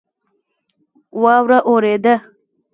واوره اوورېده